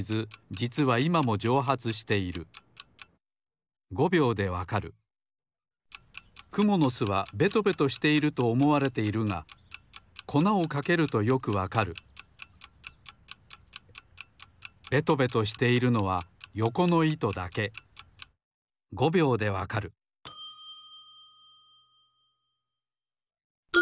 じつはいまもじょうはつしているくものすはベトベトしているとおもわれているがこなをかけるとよくわかるベトベトしているのはよこのいとだけつぎはではいきます。